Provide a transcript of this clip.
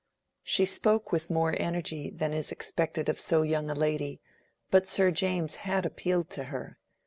She spoke with more energy than is expected of so young a lady, but Sir James had appealed to her.